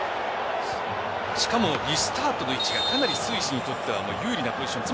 しかもリスタートの位置がかなりスイスにとっては有利なポジション。